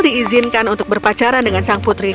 diizinkan untuk berpacaran dengan sang putri